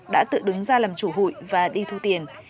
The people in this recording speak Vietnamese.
đã tự đứng ra làm chủ hụi và đi thu tiền